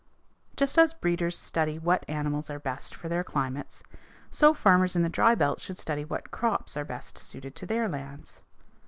Just as breeders study what animals are best for their climates, so farmers in the dry belt should study what crops are best suited to their lands.